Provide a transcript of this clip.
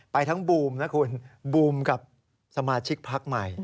ทั้งบูมนะคุณบูมกับสมาชิกพักใหม่